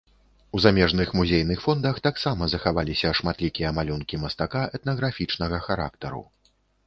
У замежных музейных фондах таксама захаваліся шматлікія малюнкі мастака этнаграфічнага характару.